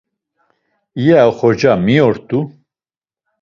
İya oxorca mi rt̆u.